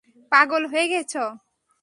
পাগল হয়ে গেছ?